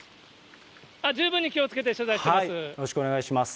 十分に気をつけて取材しています。